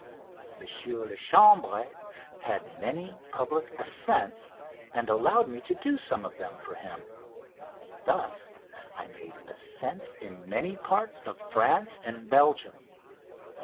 M. Lachambre had many public ascents, and allowed me to do some of them for him. Thus I made ascents in many parts of France and Belgium.